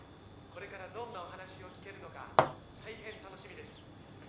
これからどんなお話を聞けるのか大変楽しみです